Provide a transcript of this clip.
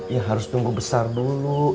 ya harus nunggu besar dulu